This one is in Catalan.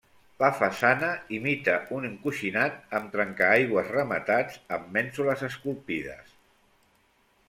La façana imita un encoixinat, amb trencaaigües rematats amb mènsules esculpides.